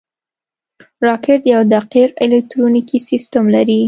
راکټ یو دقیق الکترونیکي سیستم لري